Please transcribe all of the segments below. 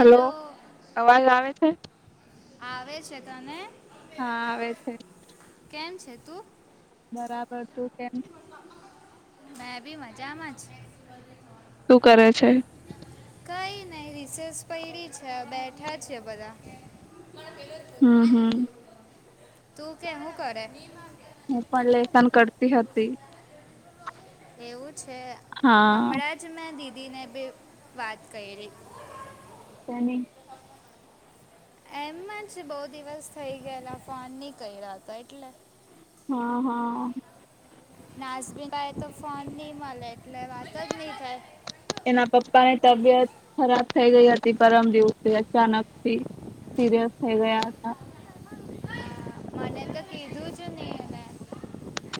Hello અવાજ આવે છે? હા આવે છે. તને? હા આવે છે. કેમ છે તું? બરાબર તું કેમ મેં ભી મજામાં જ. શું કરે છે? કઈ નઈ રિસેસ પૈડી છે હવે બેઠા છે બધા. પણ પેલો જ હમ હમ તું કે હું કરે? હું પણ લેસન કરતી હતી. એવું છે? હા હમણાં જ મેં દીદીને બે વાત કયરી. શેની? એમજ બહુ દિવસ થઈ ગયેલા ફોન નહીં કર્યો હતો એટલે. હા હા નાશવી વાય તો ફોન ની મલે એટલે વાત જ નહી થાય. એના પપ્પાની તબિયત ખરાબ થઈ ગઈ હતી પરમ દિવસે અચાનકથી. સિરિયસ થઈ ગયા હતા. હા મને તો કીધું જ નહીં એને.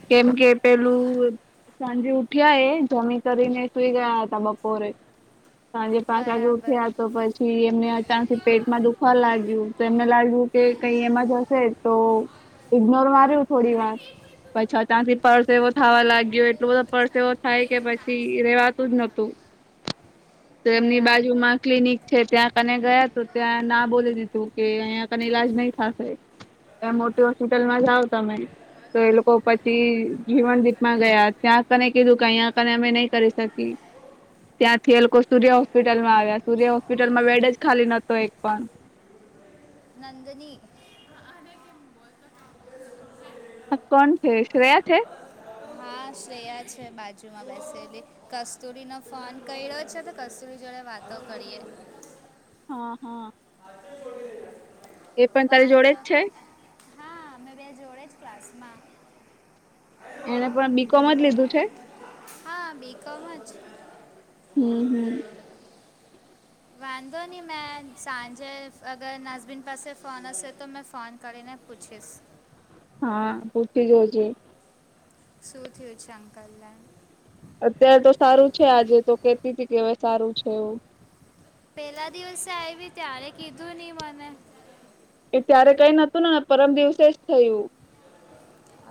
કેમ કે પેલું સાંજે ઉઠ્યા એ જમી કરીને સુઈ ગયા હતા બપોરે. સાંજે પાંચ વાગ્યે બરાબર ઉઠ્યા તો પછ થી એમને અચાનથી પેટમાં દુખવા લાગ્યું તો એમને લાગ્યું કે કઈ એમા જ હશે તો ઇગનોર માર્યું થોડીવાર પછી ત્યાંથી પરસે એવો થવા લાગ્યો એટલો બધો પરસે એવો થાય કે પછ થી રેવાતું જ નતું તો એમની બરાબર બાજુમાં ક્લિનિક છે ત્યાં કને ગયા તો ત્યાં ના બોલી દીધું કે અહીંયા કને ઈલાજ નહી થશે મોટી હોસ્પિટલમાં જાઓ તમે તો એ લોકો પછી જીવનદીપમાં ગયા ત્યાં કને કીધું કે અયા કને અમે નહી કરી શકીએ ત્યાંથી એ લોકો સૂર્ય હોસ્પિટલમાં આવ્યા સૂર્ય હોસ્પિટલમાં બેડ જ ખાલી નતો એક પણ નંદની હા કોણ છે શ્રેયા છે? હા શ્રેયા છે બાજુમાં બેસેલી કસ્તુરીનો ફોન કર્યો છે તો કસ્તુરી જોડે વાત તો કરએ હા હા એ પણ તારી જોડે વાંધો જ છે હા અમે બે જોડે જ ક્લાસમાં એને પણ બી કોમ જ લીધું છે. હા બી કમ જ હમ્મ હમ્મ વાંધો ની મેં સાંજે અગર નાસબીન પાસે ફોન હશેસે તો મેં ફોન કરીેને પૂછીશ હા પૂછી જોજે શું થયું છે અંકલને અત્યારે તો સારું છે આજે તો કેતી તી કે હવે સારું છે એવું પેલા દિવસે આવી ત્યારે કીધું ની મને એ ત્યારે કઈ નતુંને પરમ દિવસે જ થયું.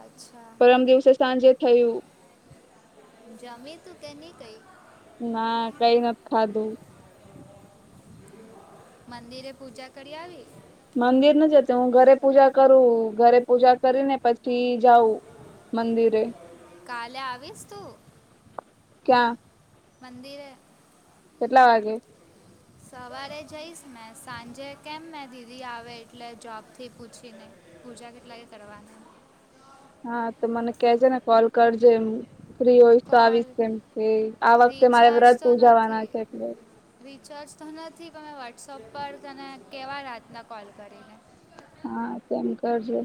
અચ્છા પરમ દિવસે સાંજે થયું જમી તું કે નઈ કઈક ના કઈ નત ખાધું. મંદિરે પૂજા કરયા આવી. મંદિર નઈ જતી હું પૂજા કરું ઘરે પૂજા કરીને પ છી જાવું મંદિરે કાલે આવીશ તું ક્યાં? મંદિરે કેટલા વાગે? સવારે જઈશ મેં સાંજે કેમ મેં દીદી આવે એટલે જોબથી પૂછીને પૂજા કેટલા કે કરવા હા તો મને કેજે ને કોલ કરજે એમ ફ્રી હોયશ તો કોલ આવી કેમ છે આ વખતે મારે રિચાર્જ વ્રત તો નથી ઉજાવાના છે એટલે રિચાર્જ તો નથી કે મેં વોટ્સઅપ પર તને કેવા રાતના કોલ કરીને હા તેમ કરજો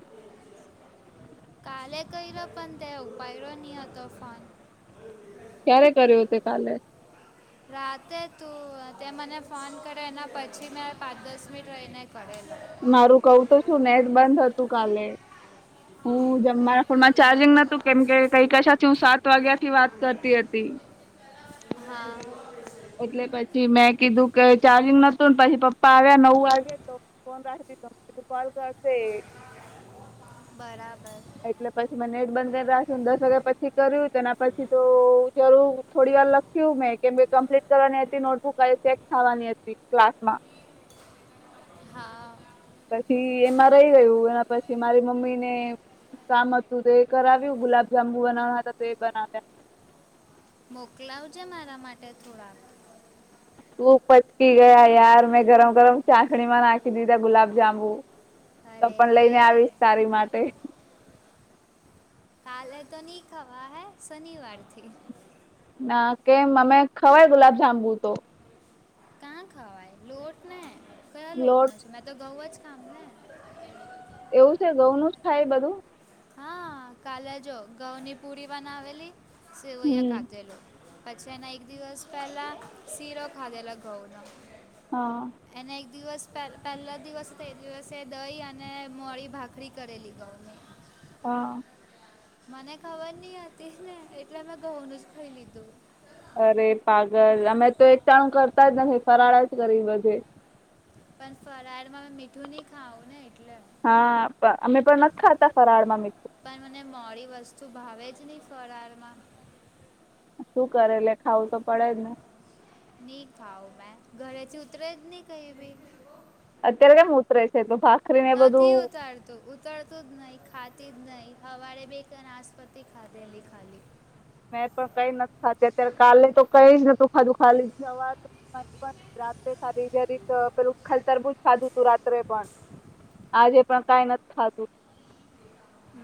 [unintelligible] કાલે કયરો પણ તે ઉપાયડો ની હતો ફોન ક્યારે કર્યો તે કાલે રાતે તું તે મને ફોન કરે એના પછી મેં પાંચ દસ મિનિટ રહીને કરેલો મારું કવું તો શું નેટ બંધ થતું કાલે હું જમ મારા ફોનમાં ચાર્જિંગ નતું કેમ કે કઈ કશાથી હું સાત વાગ્યા થી વાત કરતી હતી. હા. એટલે પછી મેં કીધું કે ચાર્જિંગ નતું ને પછી પપ્પા આવ્યા નવું વાગ્યા તો કોલ કરશે. બરાબર. એટલે પછી મે નેટ બંધ કરી રાખશ દસ વાગ્યા પછી કર્યું તેના પછી તો જોઉં થોડી વાર લાગશે. કયું મે કેમ કમ્પ્લીટ કરવાની હતી નોટબુક ચેક થવાની હતી ક્લાસ માં હા. પછી એમાં રહી જાય એવું અને એના પછી મારી મમ્મી ને કામ હતું તો એ કરાવ્યું ગુલાબ જામુ બનાવના હતા તો એ બનાવ્યા. મોકલાવ જો મારા માટે થોડાક તું પચકી ગયા યાર મેં ગરમ ગરમ ચાસણી માં નાખી દીધા ગુલાબ જાંબુ તો અરે પણ લઈને રે આવીશ તારી માટે કાલે તો નહીં ખવા હૈ શનિવારથી ના કેમ અમે ખવાય ગુલાબ જાંબુ તો કાં ખાવાય લોટ ને કયા લોટ નો છું મેં તો ઘઉં જ ખામ ને એવું છે ઘઉં નું જ થાય બધું હા કાલે જો ઘઉ ની પૂડી બનાવેલી સેવયા હમ કાચલેલો પછી એના એક દિવસ પહેલા શીરો ખાધેલા ઘઉંનો હા. એને એક દિવસ પહેલા દિવસે તો એ દિવસે દહી અને મોડી ભાખરી કરેલી ઘઉં ની હા. મને ખબર નહિ હતી ને એટલે મેં બઉ ન જ ખાઈ લીધું અરે પાગલ અમે તો એક ટાણું કરતા જ નથી ફરાળા જ કરી બધે પણ ફરાળમાં મીઠું નહી ખાવું એટલે હા અમે પણ નથ ખાતા ફરાળ માં પણ મને મોડી વસ્તુ ભાવે જ નહી ફરાર માં શું કરે લે ખાવું તો પડે જ નહી ખાાવ મેં ગળેથી ઉતરે જ નહી કહી ભી અત્યારે કેમ ઉતરે છે તો ભાગ નથી ઉતારતો ઉતરતું જ નહીં ખાતી જ નહીં હવારે બે કેનાસ્પતિ ખાતેલી ખાલી મેં પણ કઈ નથી ખાતી અત્યારે કાલે તો કઈ જ નતું ખાધું ખાલી સવાર પણ રાત્રે સારી જ રાતે પેલું ખાઈ તરબુંજ ખાધું તું રાત્રે પણ આજે પણ કઈ નથી ખાતું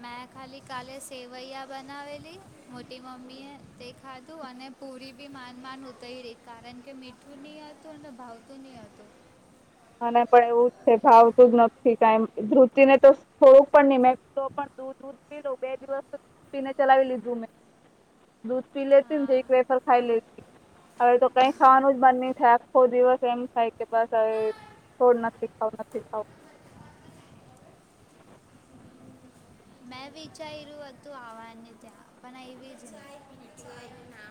મેં ખાલી કાલે સેવૈયા બનાવેલી મોટી મમ્મી એ તે ખાધું અને પૂરી બી માન માન ઉતોય રહી કારણ કે મીઠું નહી હતું અને ભાવતું નહિ હતું મને પણ એવું જ છે ભાવતું જ નથી કઈ ધુતિ ને તો થોડુંક નહી મે દૂધ પી બે દિવસ પીને ચલાવી લીધું મેં દૂધ પી લેતી ને જે એક હા વેફર ખાઈ લેતી હવે તો કઈ ખાવાનું જ મન નહી આખો દિવસ એમ ખાય કે બસ હવે થોડ નથી ખાવ નથી ખાવ મેં વિચાર્યું હતું આવવાને ત્યાં પણ એવી જ છે ને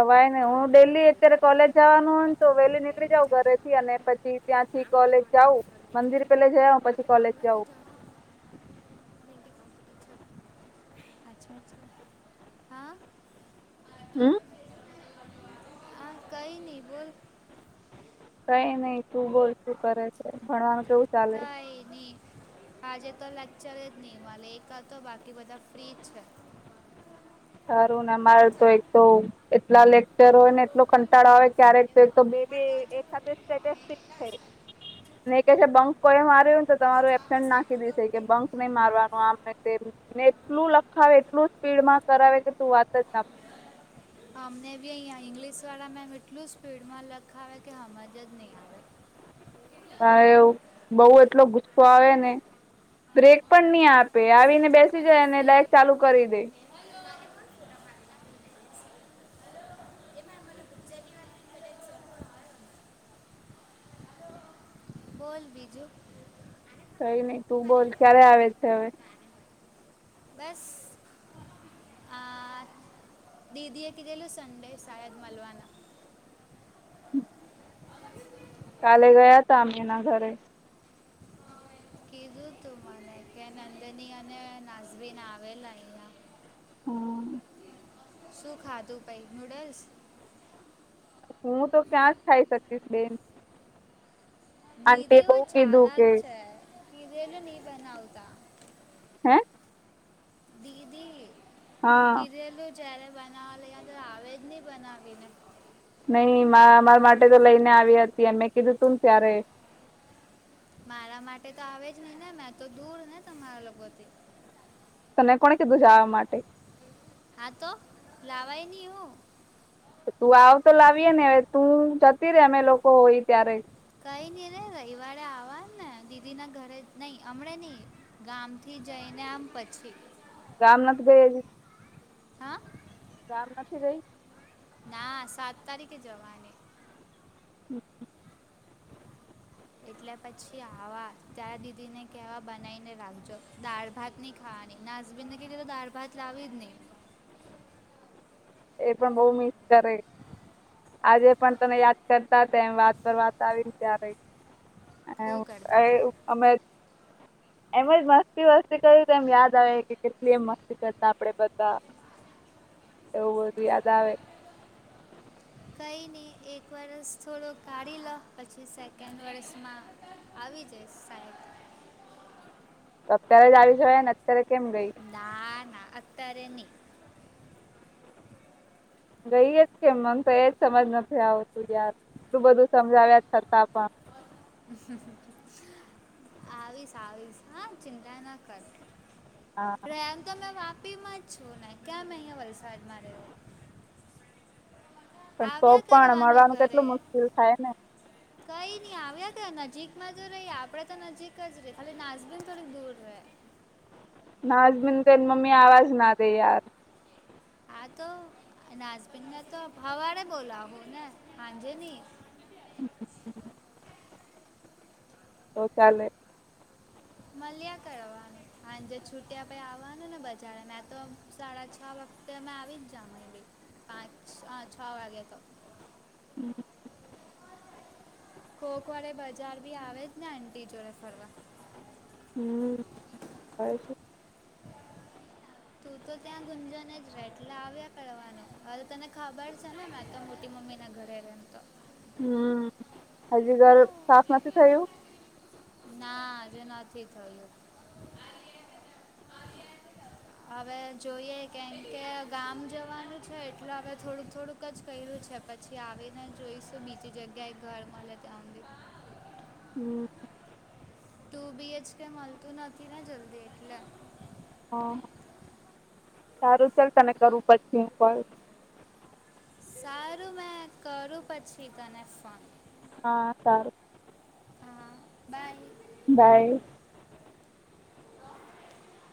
હવારે નઈ હું ડેલી અત્યારે કોલેજ જવાનું હો ને તો પીટી વહેલી બેન નીકળી જાઉં ઘરે થી અને બિચારાનું પછી ત્યાંથી નામ કોલેજ લખાવવાના જાઉ પણ સર મંદિર દેખાય પેલે જયા પછી નહીં. આપણે ત્રણ કોલેજ વાગે જાઉ જવાનું અચ્છા અચ્છા. હમ કઈ ની ભોલ કઈ નહી તું બોલ શું કરે છે ભણવાનું કેવું ચાલે કાઈ ની આજે તો લેક્ટર જ નહી મલે એક હતો તો બાકી બધા ફ્રીજ છે સારું ને અમારે તો એક તો એટલા લેક્ચર હોય ને એટલો કંટાળો આવેય ક્યારેક તો બી બી મળતા એક હાથે જ સ્ટેટેસ્ટિક છે ને કે છે બંક કોઈ માર્યુંને તો તમારું એબસેન્ટ નાખી દેશે કે બંક નહી મારનું આમને તેમ ને એટલું લખાવે એટલું સ્પીડ માં કરાવે કે તું વાત જ ના પૂછ અમને બી અહીંયા ઇંગ્લિશ વાળા મેમ એટલું સ્પીડમાં લખાવે કે હમજ જ નહીં આવે તારે એ બઉ એટલો ગુસ્સો આવે ને બ્રેક પણ નહી આપે આવીને બેસી જાય અને લાયક ચાલુ કરી દે આવે બોલ બીજું કઈ નઈ તું બોલ ક્યારે આવે છે હવે? બસ આ દીદી એ કીધેલું સંડે સાાયદ મલવાના હમ [unintelligible] કાલે ગયા હતા અમે એના ઘરે કીધું તું મને કે નંદની અને નાઝબીન આવેલા હા શું ખાધું પહી નૂડલ્સ? હું તો ક્યાંજ ખાય શકીશ બેન આંટી દીદી એ બહુ કીધું કે ચાાલક છે કીધેલુ નહીં બનાવતા હે દીદી હા કીધેલું જયારે બનાવા લેવા ત્યારે આવે જ નહી બનાવીને નહી મા અમારા માટે તો લઈને આવી હતી એ મેં કીધું તું ને ત્યારે મારા માટે તો આવે જ નહી ને મેં તો દૂર ને તમારા લોકોથી તને કોને કીધું જાવા માટે? હા તો લાવાય નહી હું તું આવ તો લાવીએે ને હવે તું જતી રે અમે લોકો હોય ત્યારે કઈ નહી રે રવિવારે આવવા ને દીદી ના ઘરે નહી હમણે નહી ગામ થી જઈને આમ પછી ગામ નથી ગય હજી? હા! કામ નથી ગઈ ના સાત તારીખે જવાની હમ એટલે પછી આવા તાર દીદી ને કેવા બનાઈ ને રાખજો દાળ ભાત ની હા નાસબીનને કીધેલું તો દાળ ભાત લાવી જ નહિ એ પણ બોવ મિસ કરે આજે પણ તને યાદ કરતા હતા એ વાત પર વાત આવી ત્યારે ખૂબ એવું કરતા એઈ હતા અમે એમજ મસ્તી વસ્તી કરી તો એમ યાદ આવે કે કેટલી એમ મસ્તી કરતા આપડે બધા એવું બધુ યાદ આવે [inaudible] કંઈની એક વર્ષ થોડો કાઢી લો પછી સેકન્ડ વર્ષમાં આવી જઇસ સાયદ અત્યારે જ આવી છે ને અત્યારે કેમ ગઈ ના ના અત્યારે ની ગઈએ જ કે મને તો એજ સમજ નથી આવતું યાર આટલુ બધું સમજાવ્યા છતાં પણ [inaudible] આવીશ આવીશ હા ચિંતા ના કર હા પ્રેમ તો મેં વાપી માં જ છું ને કેમ અહિયાં વલસાડમાં રહું પણ તો આવ્યા પણ કરવાનુ મળવાનું ઘરે કેટલું મુશ્કેલ થાય ને કઈ ની આવ્યા કર નજીકમાં તો રહી આપડે તો નજીક જ રેય ખાલી નાસબીન થોડી દૂર રહે નાજબીન તે મમ્મી આવા જ ના તેયાર આતો અનાજપિંદના તો હવા બોલાહો ને હાંજે ની તો ચાલે મલ્યા કરવાનું હાંજે છુટી પછી આવવાનું ને બજાર તો સાડા છ વખતે અમે આવી જ જામ પાંચ છ વાગે તો હમ કોકવાડે બજાર ભી આવેજ ને આંટી જોડે ફરવા હમ આવે છે તું તો ત્યાં ગુંજને જ બેટલે આવ્યા કરવાનું હરેું તને ખબર છે ને તો મોટી મમ્મી ના ઘરે રેમ તો હમ હજી ઘર સાફ નથી થયું ના હજી નથી થયું હવે જોઈએ કેમ કે ગામ જવાનું છે એટલે હવે થોડુંક થોડુંક ક જ ક્યરૂ છે પછી આવીને જોઈશું બીજી જગ્યાએ ઘર મળે ત્યાં સુધી હમ તું બી એચ કે મળતું નથી ને જલ્દી એટલે હા સારું છે તને કરું પછી કોલ સારું મેં કરું પછી તને ફોન હા સારું હા બાય બાય [inaudible]